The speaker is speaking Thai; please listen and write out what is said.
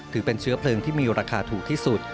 ถือเป็นเชื้อเพลิงที่มีราคาถูกที่สุด